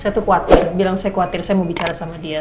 saya tuh khawatir bilang saya khawatir saya mau bicara sama dia